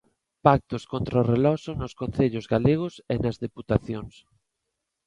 Pactos contra o reloxo nos concellos galegos e nas deputacións.